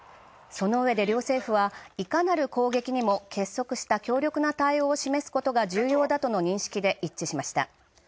そのうえで両政府はいかなる攻撃にも結束した強力な対応を示すことが重要だとの認識で一致しました。